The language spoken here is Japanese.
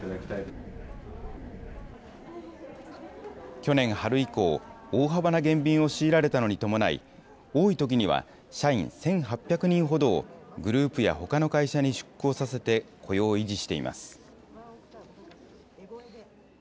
去年春以降、大幅な減便を強いられたのに伴い、多いときには社員１８００人ほどを、グループやほかの会社に出向させて、雇用を維持しています。